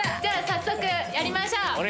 早速やりましょう！